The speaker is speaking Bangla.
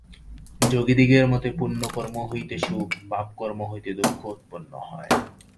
যোগীদিগের মতে পুণ্যকর্ম হইতে সুখ, পাপকর্ম হইতে দুঃখ উৎপন্ন হয়।